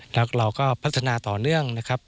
แล้วเราก็พัฒนาต่อเนื่องนะครับ